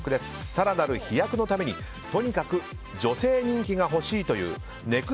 更なる飛躍のためにとにかく女性人気が欲しいというＮＥＸＴブレイク